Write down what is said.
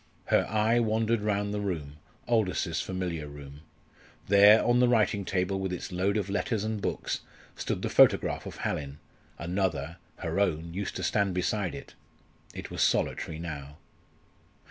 Her eye wandered round the room Aldous's familiar room. There, on the writing table with its load of letters and books, stood the photograph of Hallin; another, her own, used to stand beside it; it was solitary now.